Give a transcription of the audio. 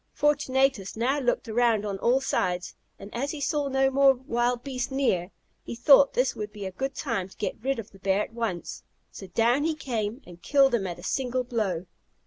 Fortunatus now looked around on all sides; and as he saw no more wild beasts near, he thought this would be a good time to get rid of the bear at once; so down he came, and killed him at a single blow.